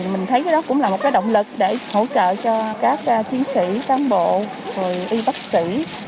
mình thấy đó cũng là một cái động lực để hỗ trợ cho các chiến sĩ cán bộ y bác sĩ